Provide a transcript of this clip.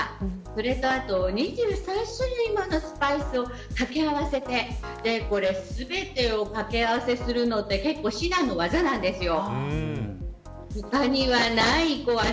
それと２３種類ものスパイスを掛け合わせて全てを掛け合わせするのって結構、至難の業なんですよ。